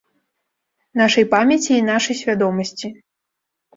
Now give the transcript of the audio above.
Нашай памяці і нашай свядомасці.